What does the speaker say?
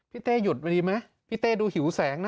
เต้หยุดพอดีไหมพี่เต้ดูหิวแสงนะ